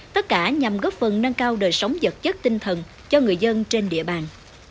tất cả nhằm góp phần nâng cao đời sống vật chất tinh thần cho người dân trên địa bàn